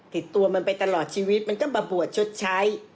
ติดตัวมันไปตลอดชีวิตมันก็มาบวชชดใช้